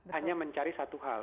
hanya mencari satu hal